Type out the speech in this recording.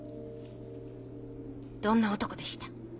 どんな男でした？